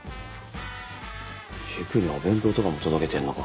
塾にお弁当とかも届けてんのか。